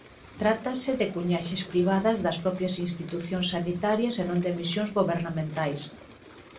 Trátase de cuñaxes privadas das propias institucións sanitarias e non de emisións gobernamentais.